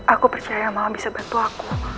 aku percaya mama bisa bantu aku